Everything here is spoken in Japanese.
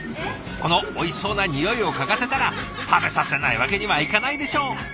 「このおいしそうな匂いを嗅がせたら食べさせないわけにはいかないでしょう！」